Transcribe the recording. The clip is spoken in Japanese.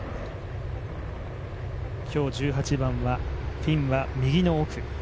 今日１８番はピンは右の奥。